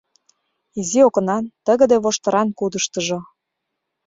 Изи окнан, тыгыде воштыран кудыштыжо